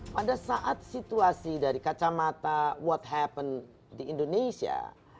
pada saat situasi dari kacamata what happen di indonesia